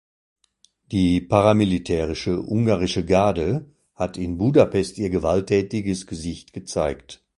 Die paramilitärische Ungarische Garde hat in Budapest ihr gewalttätiges Gesicht gezeigt.